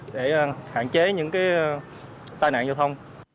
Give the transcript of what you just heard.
để hạn chế những cái tai nạn giao thông